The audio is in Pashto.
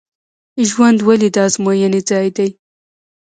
ژوند ولې د ازموینې ځای دی؟